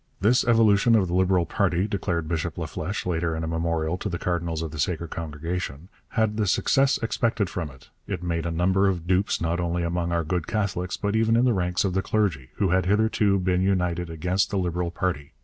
'This evolution of the Liberal party,' declared Bishop Laflèche later in a memorial to the Cardinals of the Sacred Congregation, 'had the success expected from it; it made a number of dupes not only among our good Catholics but even in the ranks of the clergy, who had hitherto been united against the Liberal party....